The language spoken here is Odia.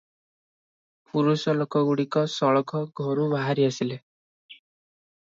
ପୁରୁଷ ଲୋକଗୁଡ଼ିକ ସଳଖ ଘରୁ ବାହାରି ଆସିଲେ ।